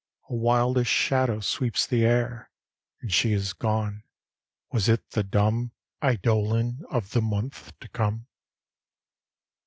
A wilder shadow sweeps the air, And she is gone: Was it the dumb Eidolon of the month to come?